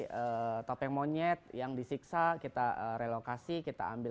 jadi topeng monyet yang disiksa kita relokasi kita ambil